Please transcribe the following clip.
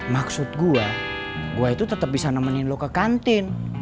maksud gua gua itu tetep bisa nemenin lu ke kantin